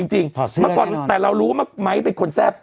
หัวก่อนแต่เรารู้ไหมเป็นคนแซ่บ